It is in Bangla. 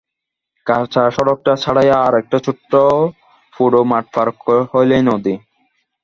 কাঁচা সড়কটা ছাড়াইয়া আর একটা ছোট্ট পোড়ো মাঠ পার হইলেই নদী।